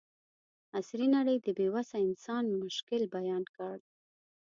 عصري نړۍ د بې وسه انسان مشکل بیان کړ.